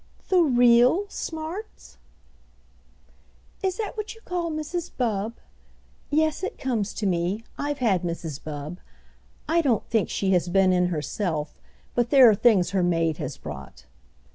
"The real 'smarts'?" "Is that what you call Mrs. Bubb? Yes—it comes to me; I've had Mrs. Bubb. I don't think she has been in herself, but there are things her maid has brought.